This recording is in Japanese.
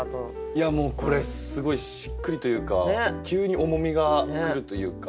いやもうこれすごいしっくりというか急に重みが来るというか。